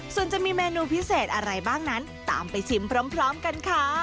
ส่วนจะมีเมนูพิเศษอะไรบ้างนั้นตามไปชิมพร้อมกันค่ะ